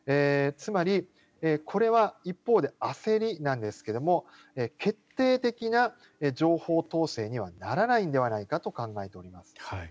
つまり、これは一方で焦りなんですが決定的な情報統制にはならないのではないかと考えております。